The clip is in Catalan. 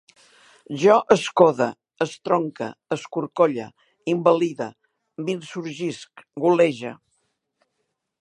Jo escode, estronque, escorcolle, invalide, m'insurgisc, golege